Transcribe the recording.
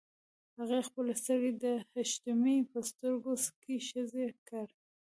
هغې خپلې سترګې د حشمتي په سترګو کې ښخې کړې.